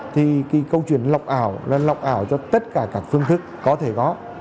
thì cái câu chuyện lọc ảo là lọc ảo cho tất cả các phương thức có thể góp